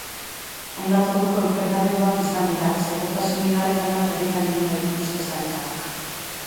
Hainbat orduko enfrentamenduak izan dira, segurtasun indarrek hainbat herritan egin baitituzte sarekadak.